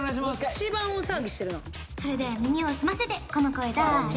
一番大騒ぎしてるなそれでは耳を澄ませてこの声だれ？